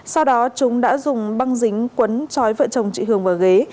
sau đó chúng đã dùng băng dính quấn chói vợ chồng chị hường vào ghế